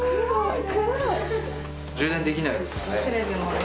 充電できないです。